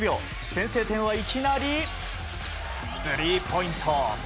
先制点はいきなりスリーポイント。